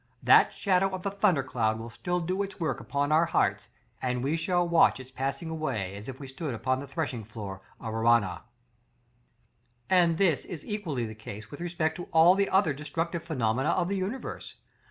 That shadow of the thunder cloud will still do its work upon our hearts, and we shall watch its passing away as if we stood upon the threshing floor of Araunah. § XLII. And this is equally the case with respect to all the other destructive phenomena of the universe.